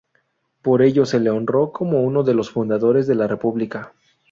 Por ello se le honró como uno de los Fundadores de la República.